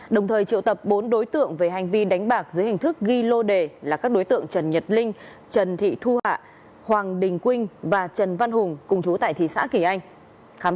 đồng thời triệu tập bốn đối tượng về hành vi đánh bạc dưới hình thức ghi lô đề là các đối tượng trần nhật linh trần thị thu hạ hoàng đình quynh và trần văn hùng cùng chú tại thị xã kỳ anh